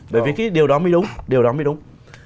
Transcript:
bởi vì cái điều đó mới đúng